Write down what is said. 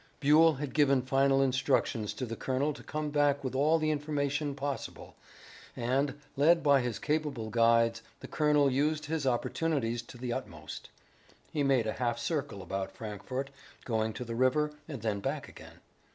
Buell had given final instructions to the colonel to come back with all the information possible, and, led by his capable guides, the colonel used his opportunities to the utmost. He made a half circle about Frankfort, going to the river, and then back again.